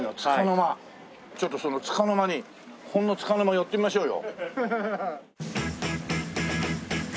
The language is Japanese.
ちょっとその束ノ間にほんの束の間寄ってみましょうよ。